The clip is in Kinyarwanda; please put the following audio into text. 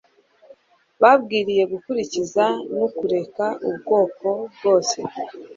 bakwiriye gukurikiza ni ukureka ubwoko bwose